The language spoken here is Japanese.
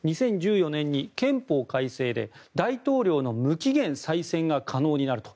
２０１４年に憲法改正で大統領の無期限再選が可能になると。